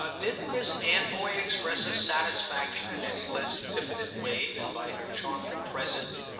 "Didn't Miss Anvoy express her satisfaction in any less diffident way than by her charming present?"